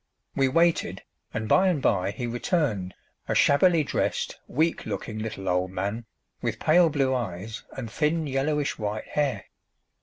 We waited, and by and by he returned, a shabbily dressed, weak looking little old man, with pale blue eyes and thin yellowish white hair.